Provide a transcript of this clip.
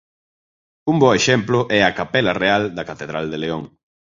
Un bo exemplo é a capela real da catedral de León.